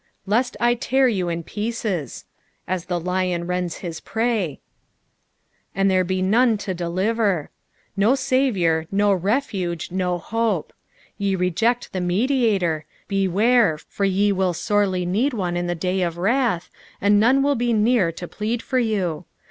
'•Le»t I tear you in pieeei," as the lion rends his prey, " and there be none to deliter," no Saviour, no refuge, no hope. Ye reject tlie Mediator : beware, for ye will sorely need one in the day of wrath, and none will be near to plead fur you.